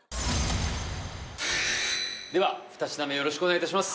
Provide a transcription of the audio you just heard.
では２品目よろしくお願いいたします